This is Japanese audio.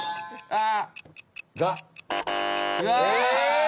ああ！